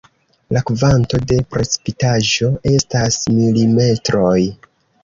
La kvanto de precipitaĵo estas milimetroj.